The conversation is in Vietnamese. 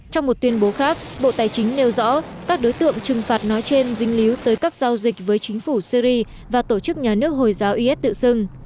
trong một tuyên bố khác bộ tài chính nêu rõ các đối tượng trừng phạt nói trên dính líu tới các giao dịch với chính phủ syri và tổ chức nhà nước hồi giáo is tự xưng